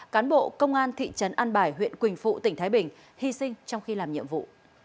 cán bộ công an thị trấn an bài huyện quỳnh phụ tỉnh thái bình hy sinh trong khi làm nhiệm vụ